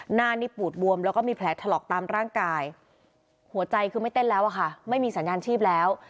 หน้านี่ปูดบวมแล้วก็มีแผลถลอกตามร่างกายหัวใจคือไม่เต้นแล้วอะค่ะไม่มีสัญญาณชีพแล้ว